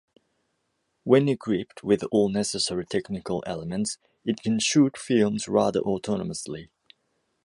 When equipped with all necessary technical elements, it can shoot films rather autonomously.